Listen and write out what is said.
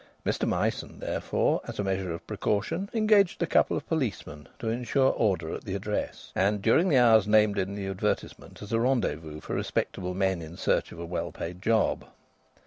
Mr Myson therefore, as a measure of precaution, engaged a couple of policemen to ensure order at the address, and during the hours, named in the advertisement as a rendezvous for respectable men in search of a well paid job.